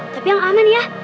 tapi yang aman ya